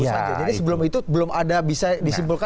jadi sebelum itu belum ada bisa disimpulkan